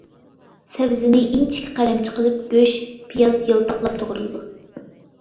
سەۋزىنى ئىنچىكە قەلەمچە قىلىپ، گۆش، پىياز يالپاقلاپ توغرىلىدۇ.